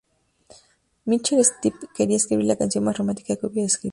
Michael Stipe quería escribir la canción más romántica que hubiera escrito.